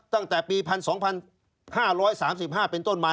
ตั้งแต่ปี๑๒๕๓๕เป็นต้นมา